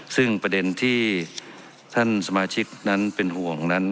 ซึ่งประเด็นที่ท่านสมาชิกนั้นเป็นห่วงนั้น